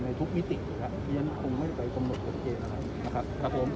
ในทุกวิติค่ะเรียนคงไม่ไปกับหมดโอเคนะครับนะครับครับผม